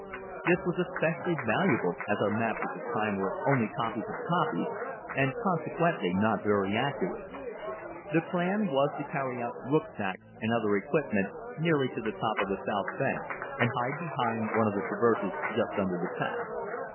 This was especially valuable as our maps at that time were only copies of copies, and consequently not very accurate. The plan was to carry out rücksacks and other equipment nearly to the top of the south bank and hide behind one of the traverses just under the path.